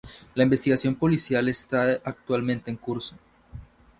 La investigación policial está actualmente en curso.